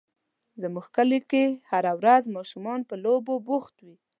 زموږ کلي کې هره ورځ ماشومان په لوبو بوخت وي.